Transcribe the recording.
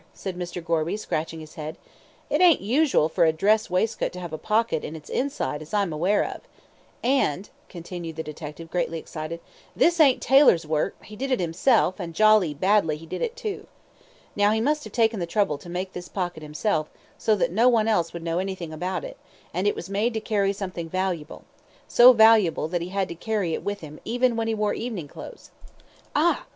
said Mr. Gorby, scratching his head; "it ain't usual for a dress waistcoat to have a pocket on its inside as I'm aware of; and," continued the detective, greatly excited, "this ain't tailor's work, he did it himself, and jolly badly he did it too. Now he must have taken the trouble to make this pocket himself, so that no one else would know anything about it, and it was made to carry something valuable so valuable that he had to carry it with him even when he wore evening clothes. Ah!